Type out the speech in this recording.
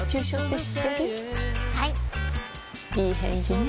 いい返事ね